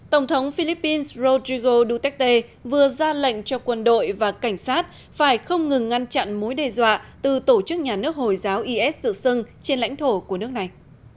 tổng thống philippines srogo duterte vừa ra lệnh cho quân đội và cảnh sát phải không ngừng ngăn chặn mối đe dọa từ tổ chức nhà nước hồi giáo is tự xưng trên lãnh thổ của nước này